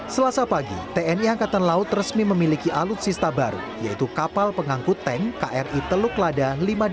selasa pagi tni angkatan laut resmi memiliki alutsista baru yaitu kapal pengangkut tank kri teluk lada lima ratus dua puluh